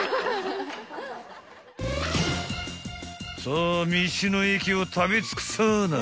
［さあ道の駅を食べ尽くさぁな］